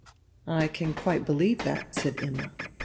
"I can quite believe that," said Imma.